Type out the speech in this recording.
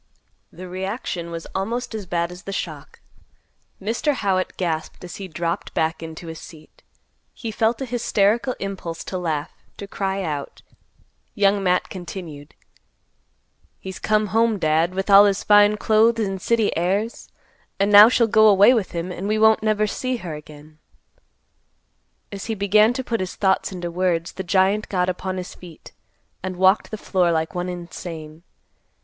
The reaction was almost as bad as the shock. Mr. Howitt gasped as he dropped back into his seat. He felt a hysterical impulse to laugh, to cry out. Young Matt continued; "He's come home, Dad, with all his fine clothes and city airs, and now she'll go away with him, and we won't never see her again." As he began to put his thoughts into words, the giant got upon his feet, and walked the floor like one insane.